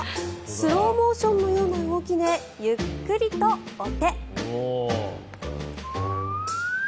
スローモーションのような動きでゆっくりとお手。